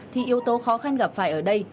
thì yếu tố khó khăn gặp phải ở đây